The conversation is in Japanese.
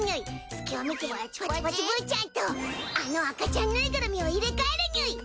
隙を見てパチパチブーちゃんとあの赤ちゃんぬいぐるみを入れ替えるにゅい！